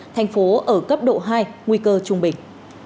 thành phố ở cấp độ hai nguy cơ trung bình